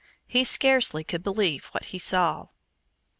He scarcely could believe what he saw.